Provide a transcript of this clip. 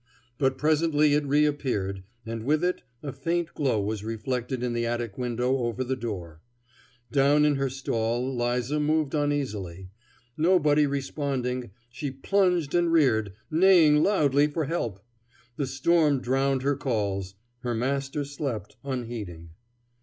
But presently it reappeared, and with it a faint glow was reflected in the attic window over the door. Down in her stall 'Liza moved uneasily. Nobody responding, she plunged and reared, neighing loudly for help. The storm drowned her calls; her master slept, unheeding.